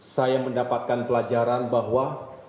saya mendapatkan pelajaran bahwa